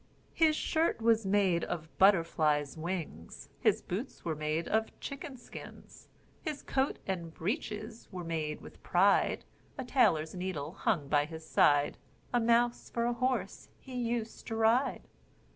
"His shirt was made of butterflies' wings; His boots were made of chicken skins; His coat and breeches were made with pride; A tailor's needle hung by his side; A mouse for a horse he used to ride."